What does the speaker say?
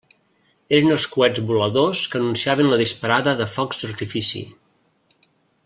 Eren els coets voladors que anunciaven la disparada de focs d'artifici.